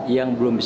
yang belum bisa